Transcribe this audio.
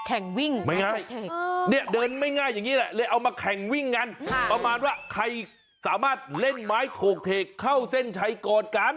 วิ่งไม่ง่ายเทคเนี่ยเดินไม่ง่ายอย่างนี้แหละเลยเอามาแข่งวิ่งกันประมาณว่าใครสามารถเล่นไม้โถกเทกเข้าเส้นชัยกอดกัน